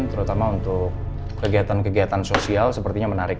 terutama untuk kegiatan kegiatan sosial sepertinya menarik